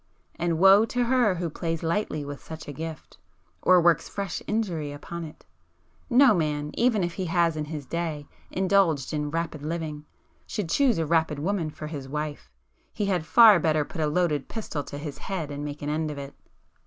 And woe to her who plays lightly with such a gift, or works fresh injury upon it! No man, even if he has in his day, indulged in 'rapid' living, should choose a 'rapid' woman for his wife,—he had far better put a loaded pistol to his head and make an end of it!